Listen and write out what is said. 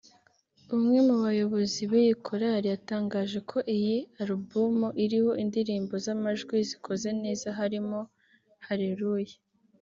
umwe mu bayobozi b’iyi Korali yatangaje ko iyi alubumu iriho indirimbo z’amajwi zikoze neza harimo « Halellua »